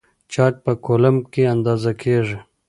چارج په کولمب کې اندازه کېږي.